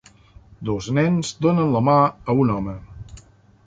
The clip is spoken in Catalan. Dos nens donen la mà a un home.